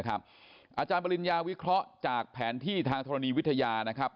อาจารย์ปริญญาวิเคราะห์จากแผนที่ทางธรณีวิทยานะครับ